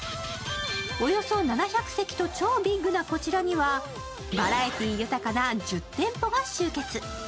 およそ７００席と超ビッグなこちらにはバラエティー豊かな１０店舗が集結。